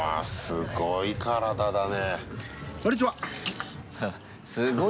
すごい体だな。